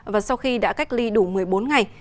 và sau khi đã cách ly đủ một mươi bốn ngày